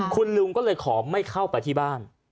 คุณลุงก็เลยขอไม่เข้าไปที่บ้าน